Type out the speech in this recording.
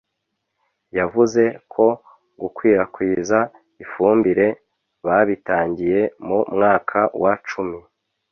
yavuze ko gukwirakwiza ifumbire babitangiye mu mwaka wa cumi